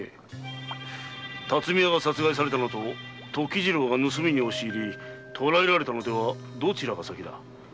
巽屋が殺害されたのと時次郎が盗みに押し入り捕らえられたのではどちらが先だ？